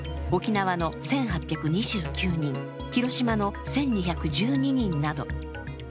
沖縄の１８２９人、広島の１２１２人など。